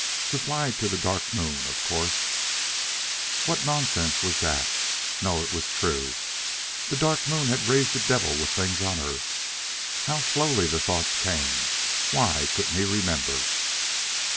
To fly to the Dark Moon, of course What nonsense was that?... No, it was true: the Dark Moon had raised the devil with things on Earth.... How slowly the thoughts came! Why couldn't he remember?...